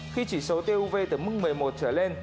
khi chỉ số tiêu uv từ mức một mươi một trở lên